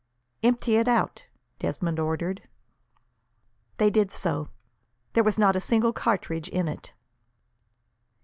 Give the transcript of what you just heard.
"Empty it out!" Desmond ordered. They did so. There was not a single cartridge in it.